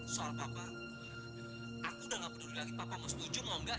soal papa aku udah gak peduli lagi papa mau setuju mau enggak